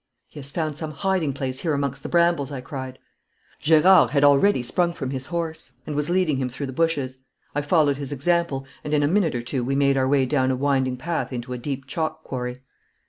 'He has found some hiding place here amongst the brambles,' I cried. Gerard had already sprung from his horse, and was leading him through the bushes. I followed his example, and in a minute or two we made our way down a winding path into a deep chalk quarry.